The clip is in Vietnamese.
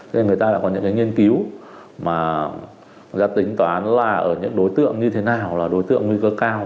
thế nên người ta đã có những cái nghiên cứu mà đã tính toán là ở những đối tượng như thế nào là đối tượng nguy cơ cao